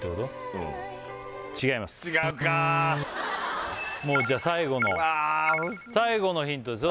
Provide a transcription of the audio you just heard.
うん違うかもうじゃあ最後のうわ最後のヒントですよ